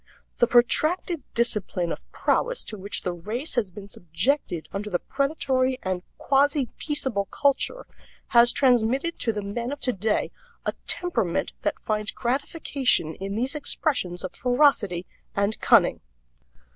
The protracted discipline of prowess to which the race has been subjected under the predatory and quasi peaceable culture has transmitted to the men of today a temperament that finds gratification in these expressions of ferocity and cunning.